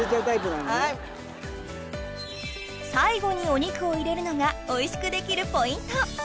最後にお肉を入れるのがおいしくできるポイント